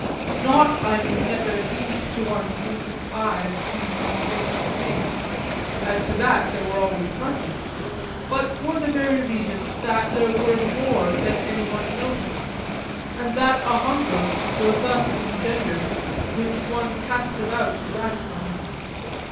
not, I mean, that there seemed to one's infant eyes too few things to paint: as to that there were always plenty but for the very reason that there were more than anyone noticed, and that a hunger was thus engendered which one cast about to gratify.